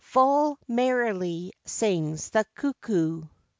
FULL MERRILY SINGS THE CUCKOO.